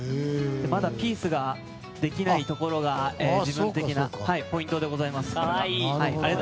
まだピースができないところが自分的なポイントです。